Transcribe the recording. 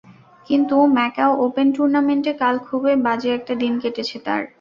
কিন্তু Macau Open টুর্নামেন্টে কাল খুবই বাজে একটা দিন কেটেছে তাঁর।